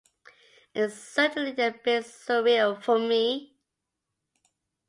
It's certainly a bit surreal for me.